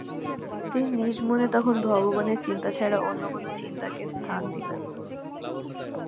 তিনি নিজ মনে তখন ভগবানের চিন্তা ছাড়া অন্য কোন চিন্তাকে স্থান দিবেন না।